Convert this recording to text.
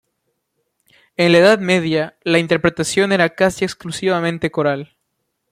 En la Edad Media, la interpretación era casi exclusivamente coral.